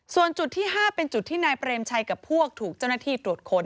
ส่วนจุดที่๕เป็นจุดที่นายเปรมชัยกับพวกถูกเจ้าหน้าที่ตรวจค้น